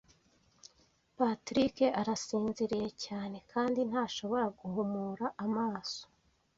Patrick arasinziriye cyane kandi ntashobora guhumura amaso.